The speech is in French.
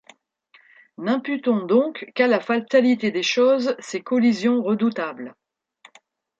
N’imputons donc qu’à la fatalité des choses ces collisions redoutables.